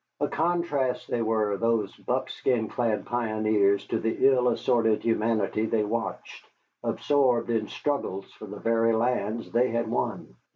A contrast they were, these buckskin clad pioneers, to the ill assorted humanity they watched, absorbed in struggles for the very lands they had won.